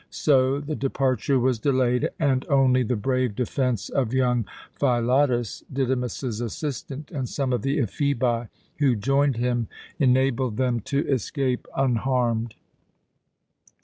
So the departure was delayed, and only the brave defence of young Philotas, Didymus's assistant, and some of the Ephebi, who joined him, enabled them to escape unharmed.